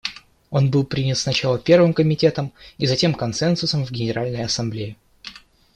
Он был принят сначала Первым комитетом и затем консенсусом в Генеральной Ассамблее.